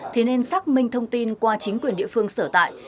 thì nên xác minh thông tin qua chính quyền địa phương sở tại